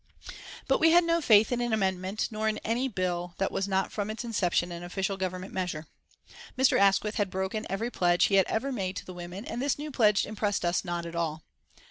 But we had no faith in an amendment, nor in any bill that was not from its inception an official Government measure. Mr. Asquith had broken every pledge he had ever made the women, and this new pledge impressed us not at all.